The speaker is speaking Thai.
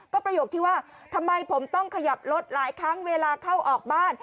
ก็ประโยคที่ว่าทำไมผมต้องขยับรถหลายครั้งเวลาเข้าออกบ้าน